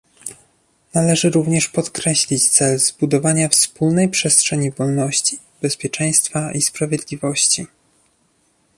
Należy również podkreślić cel zbudowania wspólnej przestrzeni wolności, bezpieczeństwa i sprawiedliwości